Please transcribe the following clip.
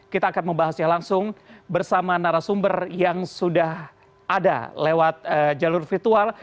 kita akan membahasnya langsung bersama narasumber yang sudah ada lewat jalur virtual